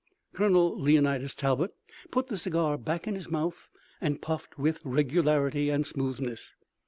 Colonel Leonidas Talbot put the cigar back in his mouth and puffed with regularity and smoothness.